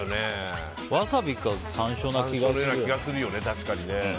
ワサビか山椒な気がする。